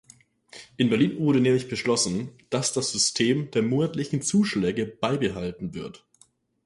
In Berlin wurde nämlich beschlossen, dass das System der monatlichen Zuschläge beibehalten wird.